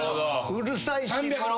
うるさいし。